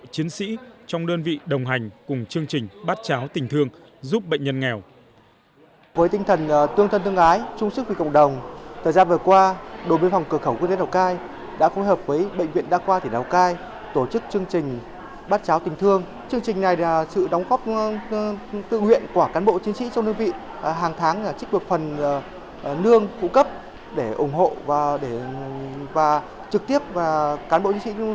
chiến sĩ trong đơn vị đồng hành cùng chương trình bát cháo tình thương giúp bệnh nhân nghèo